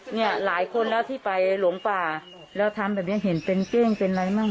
เนี่ยหลายคนแล้วที่ไปหลงป่าแล้วทำแบบนี้เห็นเป็นเก้งเป็นอะไรมั่ง